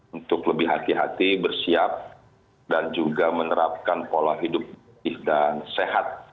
untuk lebih hati hati bersiap dan juga menerapkan pola hidup bersih dan sehat